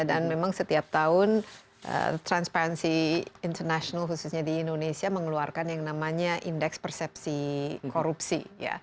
dan memang setiap tahun transparency international khususnya di indonesia mengeluarkan yang namanya indeks persepsi korupsi